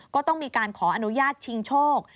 ก็ต้องมีการขออนุญาตชิงโชค